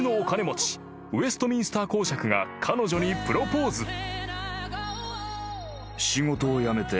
［ウェストミンスター公爵が彼女にプロポーズ］